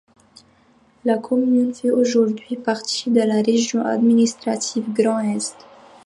La commune fait aujourd'hui partie de la région administrative Grand Est.